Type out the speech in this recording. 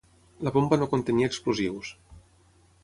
La bomba no contenia explosius.